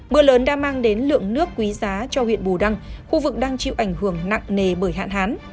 mưa lớn đã mang đến lượng nước quý giá cho huyện bù đăng khu vực đang chịu ảnh hưởng nặng nề bởi hạn hán